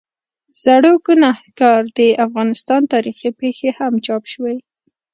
زړوګناهکار، د افغانستان تاریخي پېښې هم چاپ شوي.